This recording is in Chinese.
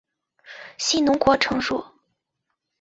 信浓国城主。